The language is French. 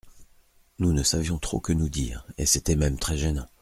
Nous ne savions trop que nous dire, Et c’était même très gênant !